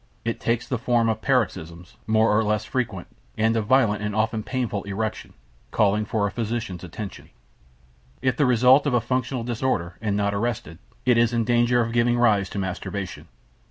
It takes the form of paroxysms, more or less frequent, and of violent and often painful erection, calling for a physician's attention. If the result of a functional disorder, and not arrested, it is in danger of giving rise to masturbation.